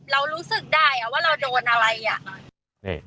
เรารู้สึกได้ว่าเราโดนอะไรอ่ะ